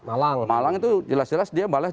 malang malang itu jelas jelas dia malah